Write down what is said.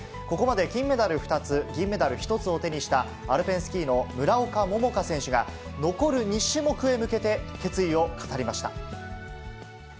ここまで金メダル２つ、銀メダル１つを手にしたアルペンスキーの村岡桃佳選手が、残る２種目へ向けて、決意を語りました。